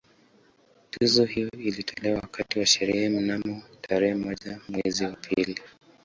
Tuzo hiyo ilitolewa wakati wa sherehe mnamo tarehe moja mwezi wa pili